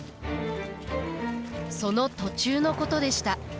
その途中のことでした。